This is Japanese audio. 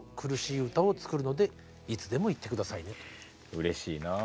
うれしいなあ。